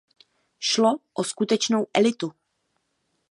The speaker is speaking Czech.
Šlo o skutečnou elitu.